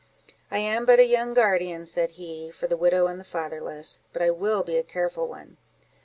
—"I am but a young guardian," said he, "for the widow and the fatherless; but I will be a careful one.